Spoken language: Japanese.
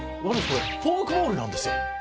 これフォークボールなんですよ」